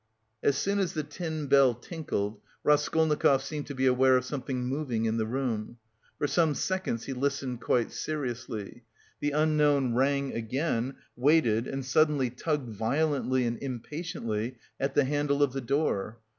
As soon as the tin bell tinkled, Raskolnikov seemed to be aware of something moving in the room. For some seconds he listened quite seriously. The unknown rang again, waited and suddenly tugged violently and impatiently at the handle of the door.